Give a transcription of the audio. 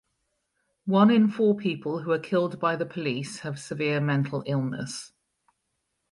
One in four people who are killed by the police have severe mental illness.